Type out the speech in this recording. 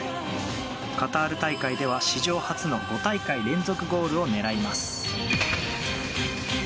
カタール大会では、史上初の５大会連続ゴールを狙います。